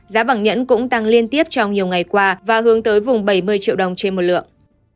giá vàng nhẫn cũng tăng liên tiếp trong nhiều ngày qua và hướng tới vùng bảy mươi triệu đồng trên một lượng